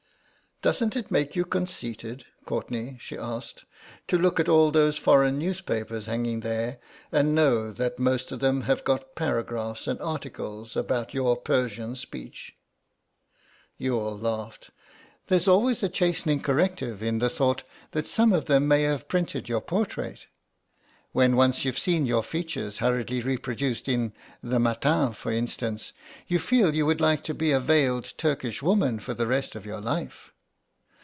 "Doesn't it make you conceited, Courtenay," she asked, "to look at all those foreign newspapers hanging there and know that most of them have got paragraphs and articles about your Persian speech?" Youghal laughed. "There's always a chastening corrective in the thought that some of them may have printed your portrait. When once you've seen your features hurriedly reproduced in the Matin, for instance, you feel you would like to be a veiled Turkish woman for the rest of your life."